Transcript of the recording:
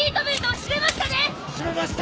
締めました！